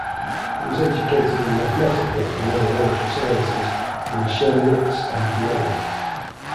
He was educated in mathematical and other military sciences in Schemnitz and Vienna.